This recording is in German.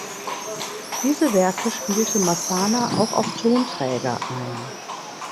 Diese Werke spielte Massana auch auf Tonträger ein.